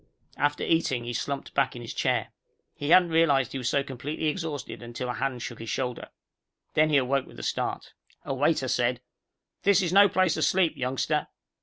After eating, he slumped back in his chair. He hadn't realized he was so completely exhausted until a hand shook his shoulder. Then he awoke with a start. A waiter said, "This is no place to sleep, youngster."